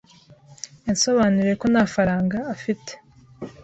Yansobanuriye ko nta faranga afite.